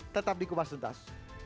tetap di kupas tuntas